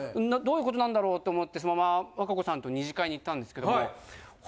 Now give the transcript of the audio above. どういう事なんだろう？と思ってそのまま和歌子さんと二次会に行ったんですけども。